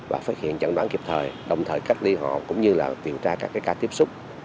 và phát hiện chẩn đoán kịp thời đồng thời cách ly họ cũng như là điều tra các ca tiếp xúc